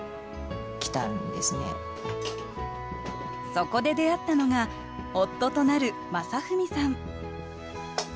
そこで出会ったのが夫となる正文さん